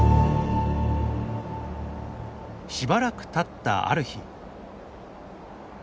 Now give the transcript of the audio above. しばらくたったある日。